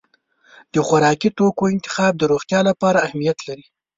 د خوراکي توکو انتخاب د روغتیا لپاره اهمیت لري.